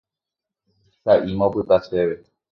Sa'íma opyta chéve.